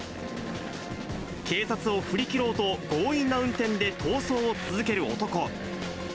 警察を振り切ろうと、強引な運転で逃走を続ける男。